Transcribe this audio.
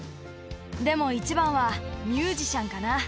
でも一番はミュージシャンかな。